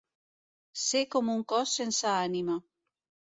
Ser com un cos sense ànima.